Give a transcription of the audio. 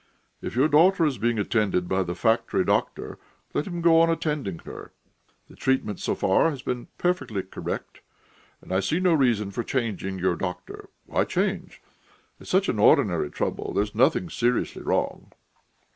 "If your daughter is being attended by the factory doctor, let him go on attending her. The treatment so far has been perfectly correct, and I see no reason for changing your doctor. Why change? It's such an ordinary trouble; there's nothing seriously wrong."